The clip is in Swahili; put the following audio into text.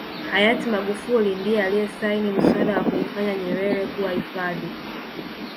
hayati magufuli ndiye aliyesaini mswada wa kuifanya nyerere kuwa hifadhi